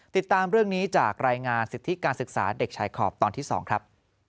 ติดตามเรื่องนี้จากรายงานสิทธิการศึกษาเด็กชายขอบตอนที่๒ครับ